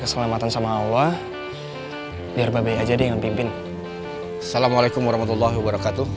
keselamatan sama allah biar baik baik aja dengan pimpin assalamualaikum warahmatullahi wabarakatuh